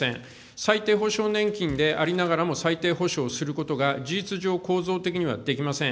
最低保障年金でありながらも、最低保障することが事実上、構造的にはできません。